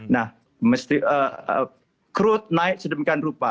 nah musti naik sedemikian rupa